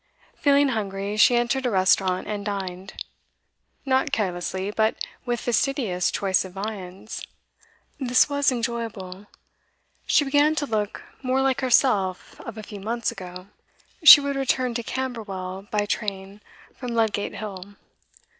Feeling hungry, she entered a restaurant, and dined. Not carelessly, but with fastidious choice of viands. This was enjoyable; she began to look more like herself of a few months ago. She would return to Camberwell by train from Ludgate Hill.